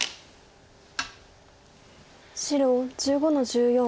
白１５の十四。